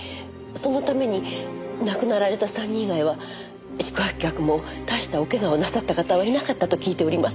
そのために亡くなられた３人以外は宿泊客も大したお怪我をなさった方はいなかったと聞いております。